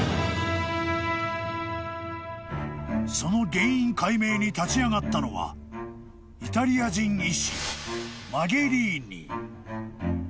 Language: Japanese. ［その原因解明に立ち上がったのはイタリア人医師］